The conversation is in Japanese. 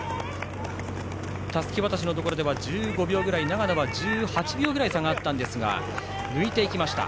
たすき渡しでは１５秒ぐらい長野は１８秒くらい差があったんですが抜いていきました。